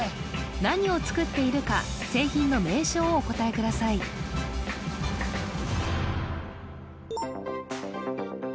何を作っているか製品の名称をお答えください・デカッ作っている製品